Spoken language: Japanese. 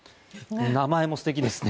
名前も素敵ですね。